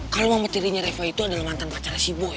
kalo mama tirinya reva itu adalah mantan pacarnya si boy